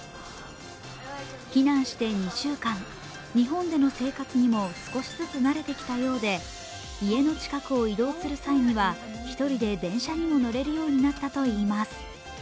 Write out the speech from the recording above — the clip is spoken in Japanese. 避難して２週間、日本での生活にも少しずつ慣れてきたようで家の近くを移動する際には１人で電車にも乗れるようになったといいます。